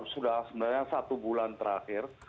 sudah sebenarnya satu bulan terakhir